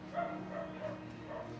biar nanti pak nurah yang urus